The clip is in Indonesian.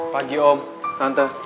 pagi om nante